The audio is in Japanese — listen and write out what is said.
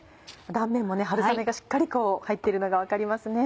断面も春雨がしっかり入っているのが分かりますね。